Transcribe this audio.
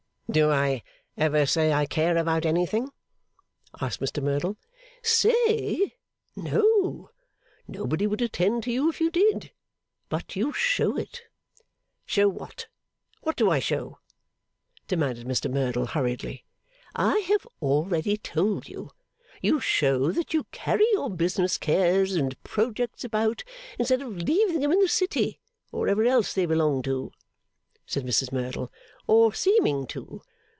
'Do I ever say I care about anything?' asked Mr Merdle. 'Say? No! Nobody would attend to you if you did. But you show it.' 'Show what? What do I show?' demanded Mr Merdle hurriedly. 'I have already told you. You show that you carry your business cares an projects about, instead of leaving them in the City, or wherever else they belong to,' said Mrs Merdle. 'Or seeming to.